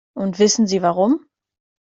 Und wissen Sie warum?